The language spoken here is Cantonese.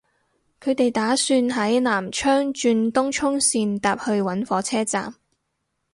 佢哋打算喺南昌轉東涌綫搭去搵火車站